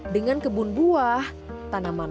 dengan kebun buah tanaman